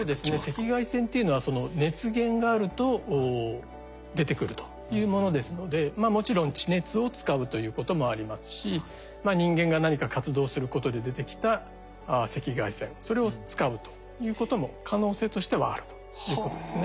赤外線っていうのは熱源があると出てくるというものですのでもちろん地熱を使うということもありますし人間が何か活動することで出てきた赤外線それを使うということも可能性としてはあるということですね。